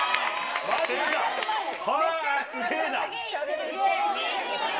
すげえな。